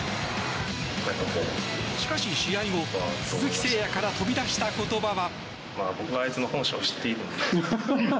しかし、試合後、鈴木誠也から飛び出した言葉は。